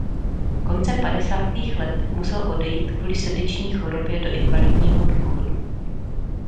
Koncem padesátých let musel odejít kvůli srdeční chorobě do invalidního důchodu.